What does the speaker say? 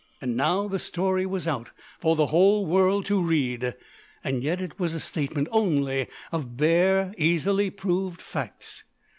And now the story was out, for the world to read. Yet it was a statement only of bare, easily proved facts.